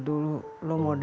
mau kemana lu